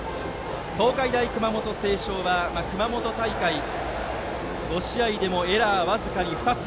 東海大熊本星翔は熊本大会５試合でエラーは僅かに２つ。